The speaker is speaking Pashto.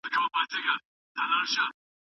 سجاد هم د پښتو ادبیاتو محصل و.